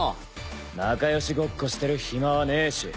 仲よしごっこしてる暇はねえし。